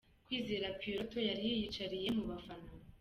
Kwizera Pierrot yari yiyicariye mu bafana.